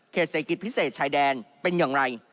เศรษฐกิจพิเศษชายแดนเป็นอย่างไร